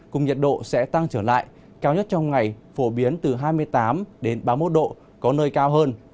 cùng nhiệt độ sẽ tăng trở lại cao nhất trong ngày phổ biến từ hai mươi tám đến ba mươi một độ có nơi cao hơn